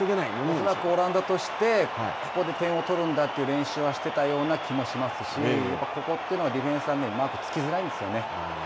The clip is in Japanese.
恐らく、オランダとして、ここで点を取るんだという練習はしてたような気もしますし、あそこというのは、ディフェンスは、マークつきづらいんですよね。